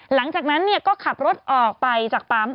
หลังจากนั้นก็ขับรถออกไปจากปั๊ม